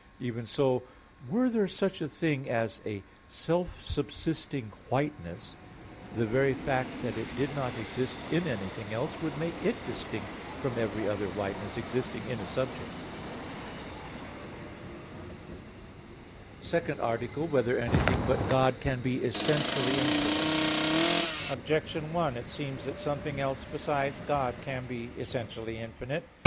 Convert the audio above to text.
Even so, were there such a thing as a self subsisting whiteness, the very fact that it did not exist in anything else, would make it distinct from every other whiteness existing in a subject. _______________________ SECOND ARTICLE [I, Q. 7, Art. 2] Whether Anything but God Can Be Essentially Infinite? Objection 1: It seems that something else besides God can be essentially infinite.